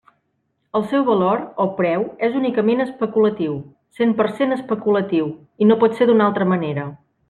El seu valor o preu és únicament especulatiu, cent per cent especulatiu, i no pot ser d'una altra manera.